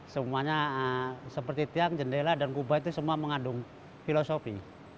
semuanya seperti tiang jendela dan kubah itu semua mengandung filosofi